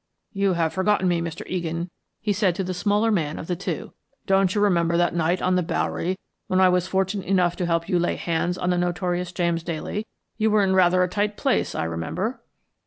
"You have forgotten me, Mr. Egan," he said to the smaller man of the two. "Don't you remember that night on the Bowery when I was fortunate enough to help you to lay hands on the notorious James Daley? You were in rather a tight place, I remember."